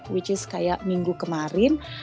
which is kayak minggu kemarin